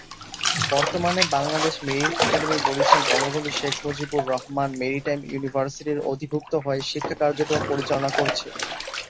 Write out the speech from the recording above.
বর্তমানে Bangladesh marine academy, Barishal Bangabandhu Sheikh Mujibur Rahman maritime ইউনিভার্সিটির অধিভুক্ত হয়ে শিক্ষা কার্যক্রম পরিচালনা করছে।